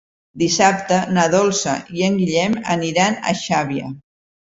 Dissabte na Dolça i en Guillem aniran a Xàbia.